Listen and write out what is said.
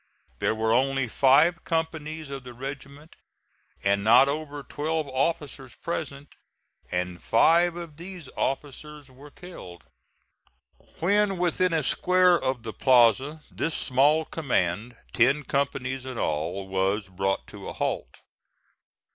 There were only five companies of the regiment and not over twelve officers present, and five of these officers were killed. When within a square of the plaza this small command, ten companies in all, was brought to a halt.